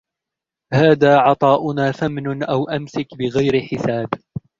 هذا عطاؤنا فامنن أو أمسك بغير حساب